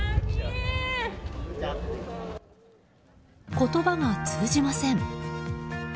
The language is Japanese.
言葉が通じません。